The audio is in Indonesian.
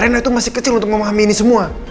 karena itu masih kecil untuk memahami ini semua